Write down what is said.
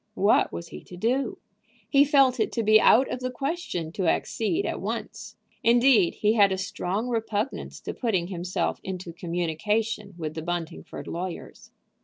What was he to do? He felt it to be out of the question to accede at once. Indeed, he had a strong repugnance to putting himself into communication with the Buntingford lawyers.